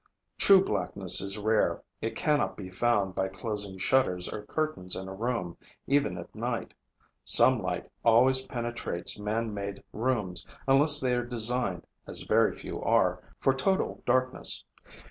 True blackness is rare. It cannot be found by closing shutters or curtains in a room, even at night. Some light always penetrates man made rooms unless they are designed, as very few are, for total darkness.